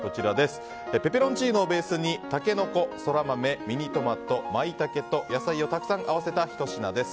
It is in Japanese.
ペペロンチーノをベースにタケノコ、ソラマメミニトマト、マイタケと野菜をたくさん合わせたひと品です。